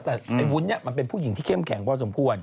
แต่ไอ้วุ้นมันเป็นผู้หญิงที่เข้มแข็งกว่าสมควร